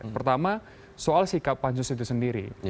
pertama soal sikap pak ansus itu sendiri